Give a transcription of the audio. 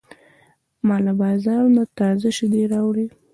ما له بازار نه تازه شیدې راوړې.